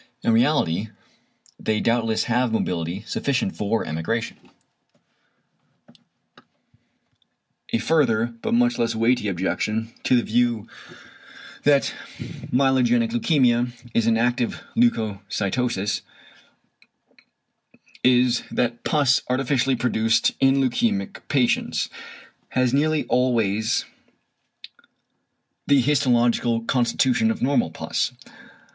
In reality they doubtless have mobility sufficient for emigration. A further, but much less weighty objection to the view that myelogenic leukæmia is an active leucocytosis is, that pus artificially produced in leukæmic patients has nearly always the histological constitution of normal pus.